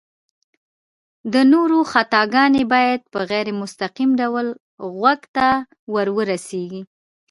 د نورو خطاګانې بايد په غير مستقيم ډول غوږ ته ورورسيږي